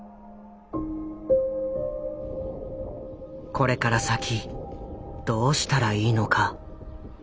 これから先どうしたらいいのか？